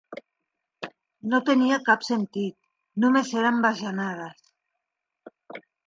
No tenia cap sentit, només eren bajanades.